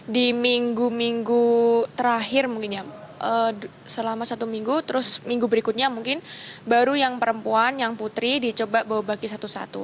di minggu minggu terakhir mungkin ya selama satu minggu terus minggu berikutnya mungkin baru yang perempuan yang putri dicoba bawa bagi satu satu